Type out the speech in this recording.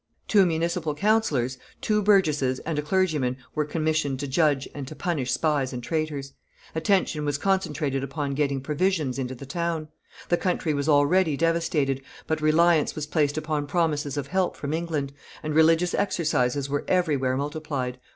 Two municipal councillors, two burgesses, and a clergyman were commissioned to judge and to punish spies and traitors; attention was concentrated upon getting provisions into the town; the country was already devastated, but reliance was placed upon promises of help from England; and religious exercises were everywhere multiplied.